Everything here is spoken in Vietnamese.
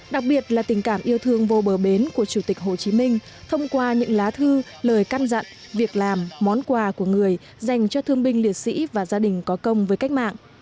đặc biệt là tình cảm yêu thương vô bờ bến của chủ tịch hồ chí minh thông qua những lá thư lời căn dặn việc làm món quà của người dành cho thương binh liệt sĩ và gia đình có công với cách mạng